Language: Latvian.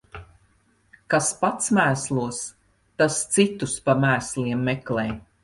Kas pats mēslos, tas citus pa mēsliem meklē.